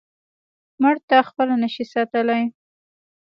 مړتا خپل نشي ساتلی.